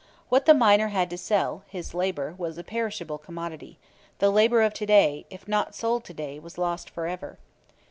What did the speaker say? What the miner had to sell his labor was a perishable commodity; the labor of to day if not sold to day was lost forever.